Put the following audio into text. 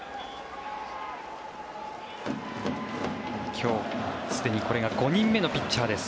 今日、すでにこれが５人目のピッチャーです。